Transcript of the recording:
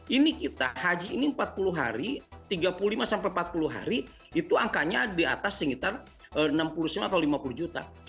ini kita haji ini empat puluh hari tiga puluh lima sampai empat puluh hari itu angkanya di atas sekitar enam puluh sembilan atau lima puluh juta